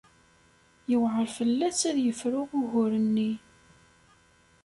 Yewɛeṛ fell-as ad yefru ugur-nni.